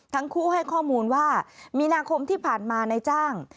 ทั้งคู่ให้ข้อมูลว่ามีนาคมที่ผ่านมานายจ้าง